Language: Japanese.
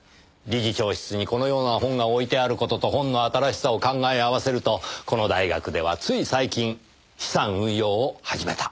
理事長室にこのような本が置いてある事と本の新しさを考え合わせるとこの大学ではつい最近資産運用を始めた。